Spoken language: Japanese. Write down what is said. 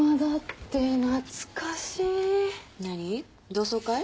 同窓会？